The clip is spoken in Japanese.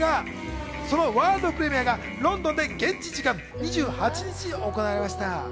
そのワールドプレミアがロンドンで現地時間２８日に行われました。